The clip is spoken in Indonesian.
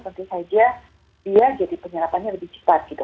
tentu saja dia jadi penyerapannya lebih cepat gitu